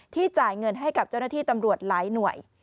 จ่ายเงินให้กับเจ้าหน้าที่ตำรวจหลายหน่วย